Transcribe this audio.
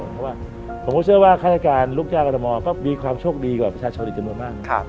เพราะว่าผมก็เชื่อว่าฆาตการลูกจ้างกรทมก็มีความโชคดีกว่าประชาชนอีกจำนวนมาก